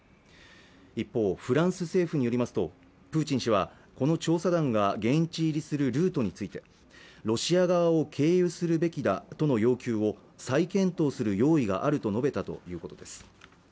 一方フランス政府によりますとプーチン氏はこの調査団が現地入りするルートについてロシア側を経由するべきだとの要求を再検討する用意があると述べたということです